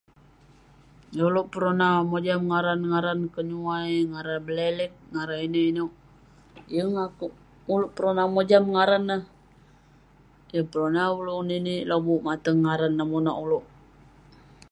Yeng ulouk peronah mojam ngaran-ngaran kenyuai, ngarang bleleg, ngaran inouk-inouk. Yeng akou- ulouk peronah mojam ngaran neh. Yeng peronah ulouk ninik lobuk mateng ngaran neh monak ulouk.